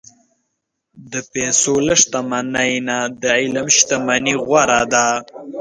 د پیسو له شتمنۍ نه، د علم شتمني غوره ده.